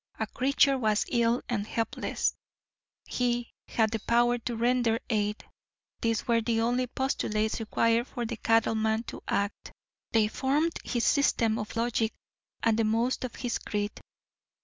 A creature was ill and helpless; he had the power to render aid—these were the only postulates required for the cattleman to act. They formed his system of logic and the most of his creed.